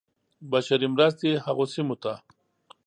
بشري مرستې هغو سیمو ته.